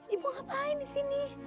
ibu ngapain di sini